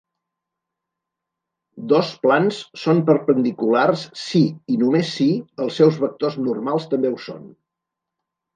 Dos plans són perpendiculars si, i només si, els seus vectors normals també ho són.